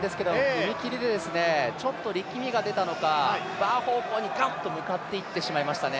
踏切でちょっと力みが出たのか、バー方向にがっと向かっていってしまいましたね。